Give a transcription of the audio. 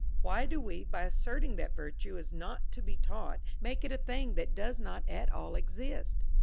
Why do we, by asserting that virtue is not to be taught, make it a thing that does not at all exist